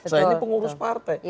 saya ini pengurus partai